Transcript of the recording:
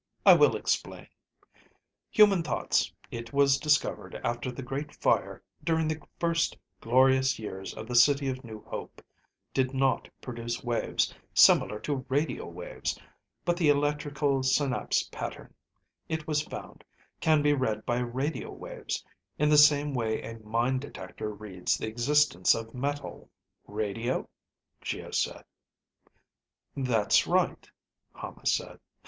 I will explain. Human thoughts, it was discovered after the Great Fire during the first glorious years of the City of New Hope, did not produce waves similar to radio waves, but the electrical synapse pattern, it was found, can be read by radio waves, in the same way a mine detector reads the existence of metal." "Radio?" Geo said. "That's right," Hama said.